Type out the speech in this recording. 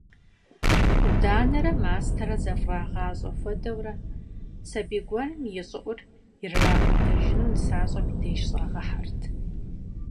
Ӏуданэрэ мастэрэ зэфӀрагъащӀэ хуэдэурэ, сабий гуэрым и щӀыӀур ирырагъэдэжыну нысащӀэм и деж щӀагъэхьэрт.